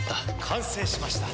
完成しました。